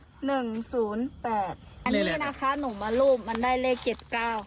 อันนี้นะคะหนูมาลูบมันได้เลข๗๙ค่ะ